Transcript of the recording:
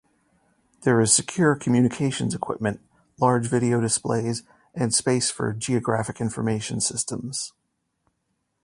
There is secure communications equipment, large video displays, and space for Geographic Information Systems.